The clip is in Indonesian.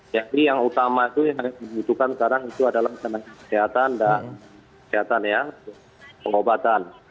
jadi yang utama itu yang harus dimbutuhkan sekarang itu adalah kesehatan dan kesehatan ya pengobatan